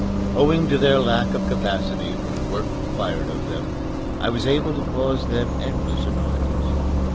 Owing to their lack of capacity for the work required of them, I was able to cause them endless annoyance.